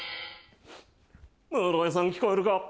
室井さん聞こえるか？